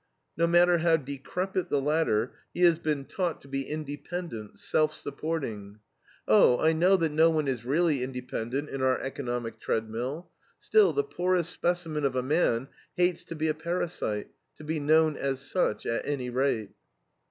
No matter how decrepit the latter, he has been taught to be independent, self supporting. Oh, I know that no one is really independent in our economic treadmill; still, the poorest specimen of a man hates to be a parasite; to be known as such, at any rate.